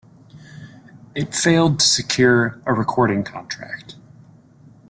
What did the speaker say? It failed to secure a recording contract.